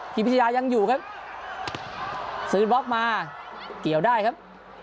พิชยายังอยู่ครับซื้อบล็อกมาเกี่ยวได้ครับ